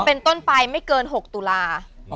เป็นต้นไปไม่เกิน๖ตุลา